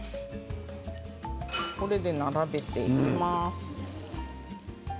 これで並べていきます。